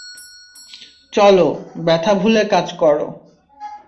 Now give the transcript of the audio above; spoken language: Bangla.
চলো, ব্যাথা ভুলে কাজ করো।